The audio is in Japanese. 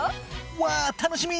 わあ楽しみ！